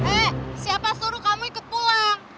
eh siapa suruh kamu ikut pulang